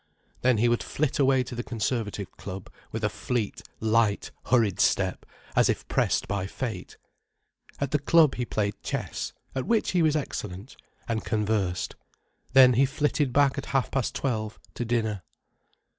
Then he would flit away to the Conservative Club, with a fleet, light, hurried step, as if pressed by fate. At the club he played chess—at which he was excellent—and conversed. Then he flitted back at half past twelve, to dinner.